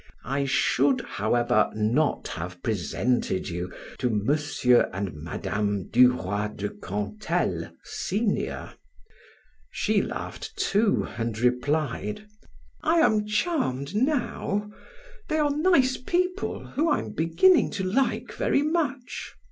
I should, however, not have presented you to M. and Mme. du Roy de Cantel, senior." She laughed too and replied: "I am charmed now! They are nice people whom I am beginning to like very much.